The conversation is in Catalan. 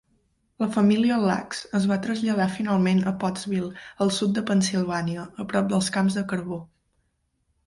La família Luks es va traslladar finalment a Pottsville, al sud de Pennsilvània, a prop dels camps de carbó.